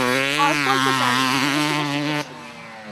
অল্প-অল্প জানি, শুনে-শুনে শিখেছি।